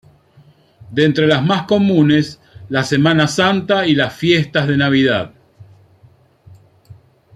De entre las más comunes, la semana santa y las fiestas de Navidad.